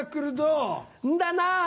んだなぁ。